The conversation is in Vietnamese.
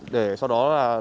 để sau đó